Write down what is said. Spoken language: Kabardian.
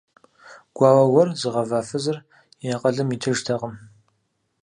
Гуауэ куэд зыгъэва фызыр и акъылым итыжтэкъым.